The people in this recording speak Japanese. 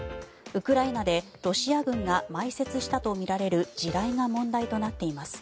ウクライナでロシア軍が埋設したとみられる地雷が問題となっています。